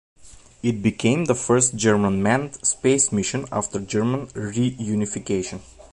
It became the first German manned space mission after German reunification.